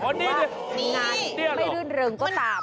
หรือว่างานไม่รื่นเริงก็ตาม